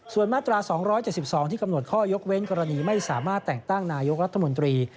ส่วนมาตรา๒๗๒ที่กำหนดข้อยกเว้นกรณีไม่สามารถแต่งตั้งนายกรัฐมนตรี